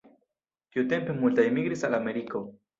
Tiutempe multaj migris al Ameriko.